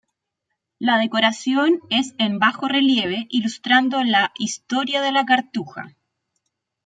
La decoración es en bajorrelieve ilustrando la "Historia de la cartuja".